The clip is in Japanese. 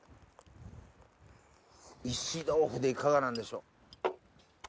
石豆富でいかがなんでしょう？